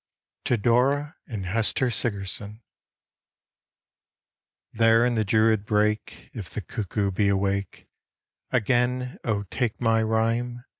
TO DORA AND HESTER SIGERSON _There in the Druid brake If the cuckoo be awake Again, O take my rhyme!